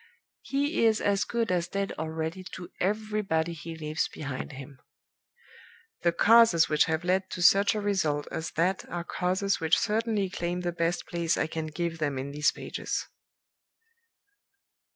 He is as good as dead already to everybody he leaves behind him. The causes which have led to such a result as that are causes which certainly claim the best place I can give them in these pages."